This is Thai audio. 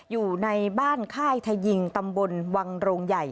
อยู่ในบ้านค่ายทยิงตำบลวังโรงใหญ่